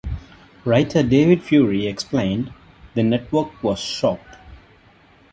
Writer David Fury explained, The network was shocked.